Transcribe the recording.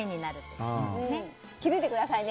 気づいてくださいね。